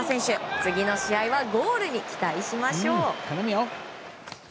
次の試合はゴールに期待しましょう。